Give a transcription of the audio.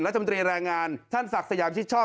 จำตรีแรงงานท่านศักดิ์สยามชิดชอบ